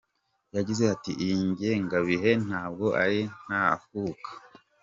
Yagize ati “Iyi ngengabihe ntabwo ari ntakuka.